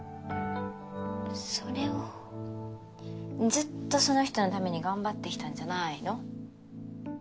それはずっとその人のために頑張ってきたんじゃないの？